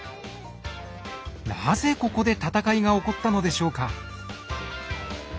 なぜここで戦いが起こったのでしょうか？